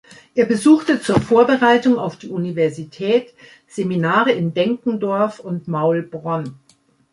Er besuchte zur Vorbereitung auf die Universität Seminare in Denkendorf und Maulbronn.